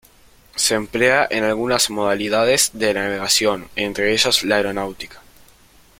Se emplea en algunas modalidades de navegación, entre ellas la aeronáutica.